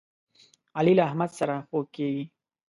علي له احمد سره خوږ کېږي.